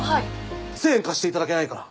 １０００円貸していただけないかな？